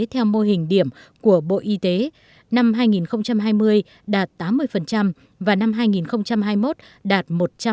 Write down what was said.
theo mô hình điểm của bộ y tế năm hai nghìn hai mươi đạt tám mươi và năm hai nghìn hai mươi một đạt một trăm linh